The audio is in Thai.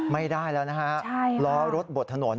ไม่ได้แล้วนะฮะล้อรถบดถนน